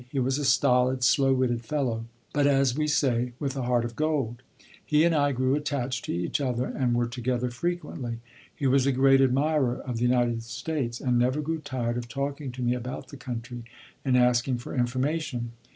He was a stolid, slow witted fellow, but, as we say, with a heart of gold. He and I grew attached to each other and were together frequently. He was a great admirer of the United States and never grew tired of talking to me about the country and asking for information.